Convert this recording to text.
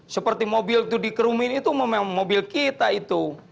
seperti mobil itu dikerumin itu mobil kita itu